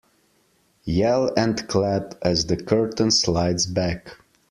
Yell and clap as the curtain slides back.